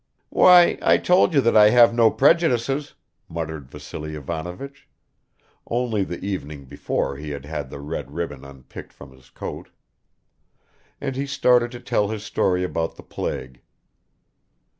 "Why, I told you that I have no prejudices," muttered Vassily Ivanovich (only the evening before he had had the red ribbon unpicked from his coat) and he started to tell his story about the plague.